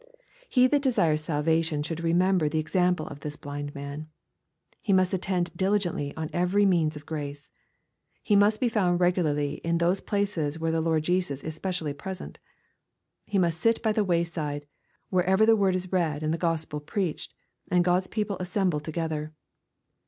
He that desires salvation should remember the ex ample of this blind man. He must attend diligently on every means of grace. He must be found regularly in those places where the Lord Jesus is specially present. He must sit by the way side, wherever the word is read and the Gospel preached, and God's people assemble together.